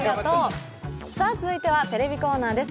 続いてはテレビコーナーです。